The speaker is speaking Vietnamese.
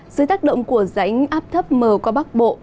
dưới tác động của rãnh áp thấp mờ qua bắc bộ